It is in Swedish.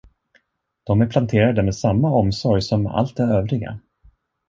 De är planterade med samma omsorg som allt det övriga.